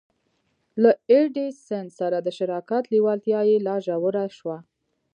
له ايډېسن سره د شراکت لېوالتیا يې لا ژوره شوه.